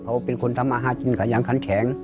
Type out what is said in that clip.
เขาเป็นคนทำอาหารจินอย่างคันแข็ง